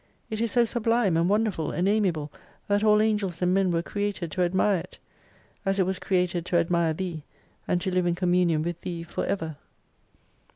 It is so sublime and wonderful and amiable, that all Angels and Men were created to admire it : As it was created to admire Thee, and to live in communion with Thee for ever.